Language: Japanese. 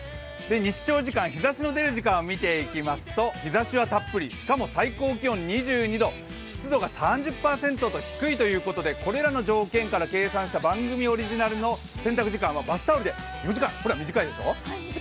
日照時間、日ざしの出る時間を見ていきますと、日ざしはたっぷり、しかも最高気温２２度、湿度が３０％と低いということで、これらの条件から計算した番組オリジナルの洗濯時間はバスタオルで４時間、これは短いでしょう。